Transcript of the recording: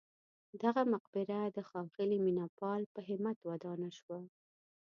دغه مقبره د ښاغلي مینه پال په همت ودانه شوه.